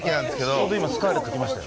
ちょうど今スカーレット来ましたよ。